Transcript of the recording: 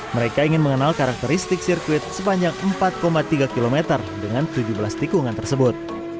mereka ingin mengenal karakteristik sirkuit sepanjang empat tiga km dengan tujuh belas tikungan tersebut